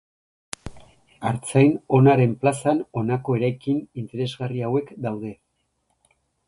Artzain Onaren plazan honako eraikin interesgarri hauek daude.